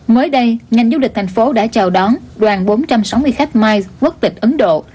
mới đây ngành du lịch thành phố đã chào đón đoàn bốn trăm sáu mươi khách miles quốc tịch ấn độ